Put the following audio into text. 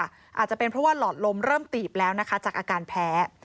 อาจจะเป็นเพราะว่าหลอดลมเริ่มตีบแล้วนะคะจากอาการแพ้